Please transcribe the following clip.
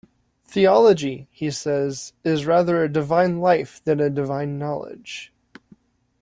Theology, he says, is rather a divine life than a divine knowledge.